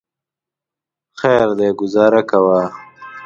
خیر دی ګوزاره کوه.